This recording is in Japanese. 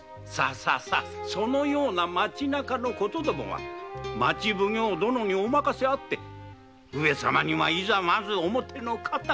さそのような町中のことは町奉行殿にお任せあって上様にはいざまず表の方へ。